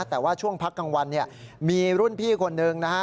แต่ว่าช่วงพักกลางวันเนี่ยมีรุ่นพี่คนหนึ่งนะฮะ